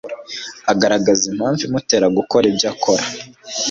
agaragaza impamvu imutera gukora ibyo akora